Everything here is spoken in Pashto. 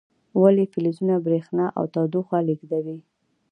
ولې فلزونه برېښنا او تودوخه لیږدوي؟